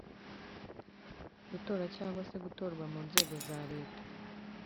Gutora cyangwa se gutorwa mu nzego za Leta